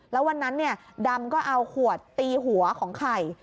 แล้ววันนั้นดำก็เอาขวดตีหัวของไข่